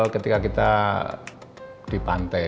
ketika kita di pantai